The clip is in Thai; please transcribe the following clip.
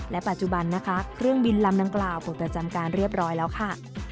ปัจจุบันนะคะเครื่องบินลำดังกล่าวเปิดประจำการเรียบร้อยแล้วค่ะ